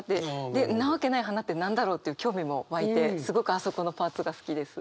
で「んなわけない花」って何だろうという興味も湧いてすごくあそこのパーツが好きです。